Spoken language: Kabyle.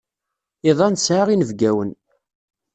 Iḍ-a nesεa inebgawen.